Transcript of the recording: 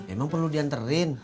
emang perlu di anterin